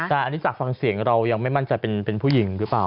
แต่อันนี้จากฟังเสียงเรายังไม่มั่นใจเป็นผู้หญิงหรือเปล่า